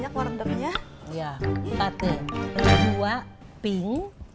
yang keempatnya yang kedua pink